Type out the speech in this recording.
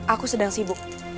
aku sedang sibuk